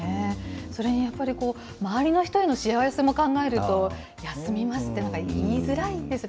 それにやっぱり、周りの人へのしわ寄せも考えると、休みますって、なんか言いづらいですね。